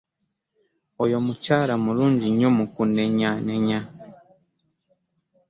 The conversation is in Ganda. oyo omukyala mulungi nnyo mu kunenyaanenya.